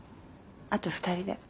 あとは２人で。